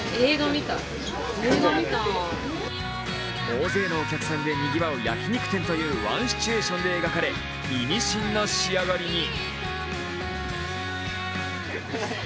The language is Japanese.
大勢のお客さんでにぎわう焼き肉店というワンシチュエーションで描かれ意味深な仕上がりに。